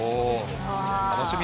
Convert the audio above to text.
楽しみ。